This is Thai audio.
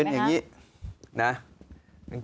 เป็นอย่างนี้นะ